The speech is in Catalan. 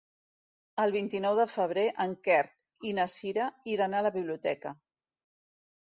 El vint-i-nou de febrer en Quer i na Cira iran a la biblioteca.